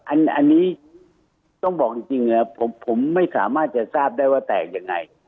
อันนี้ต้องบอกจริงผมไม่สามารถจะทราบได้ว่าแตกยังไง